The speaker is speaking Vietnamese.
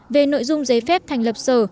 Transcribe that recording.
về nội dung giấy phép thành lập sở